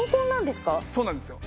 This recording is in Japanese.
そうなんですよ。